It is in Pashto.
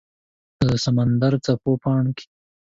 د سمندردڅپو پاڼو کې